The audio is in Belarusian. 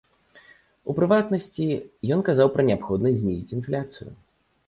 У прыватнасці, ён казаў пра неабходнасць знізіць інфляцыю.